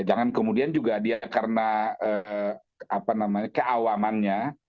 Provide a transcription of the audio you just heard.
jangan kemudian juga dia karena keawamannya